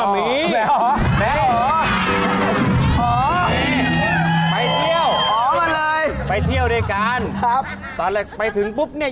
อ๋อมีแม่หอมีไปเที่ยวไปเที่ยวด้วยกันตอนแรกไปถึงปุ๊บเนี่ย